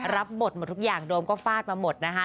รับบทหมดทุกอย่างโดมก็ฟาดมาหมดนะคะ